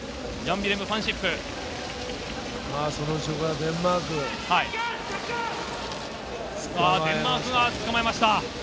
デンマークが捕まえました。